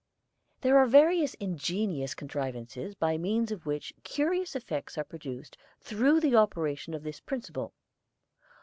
There are various ingenious contrivances by means of which curious effects are produced through the operation of this principle.